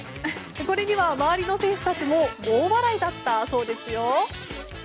これには、周りの選手たちも大笑いだったそうですよ。